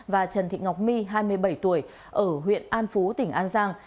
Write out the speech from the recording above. và trần thị ngọc my hai mươi bảy tuổi ở huyện an phú tỉnh an giang